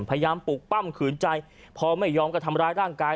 ปลูกปั้มขืนใจพอไม่ยอมก็ทำร้ายร่างกาย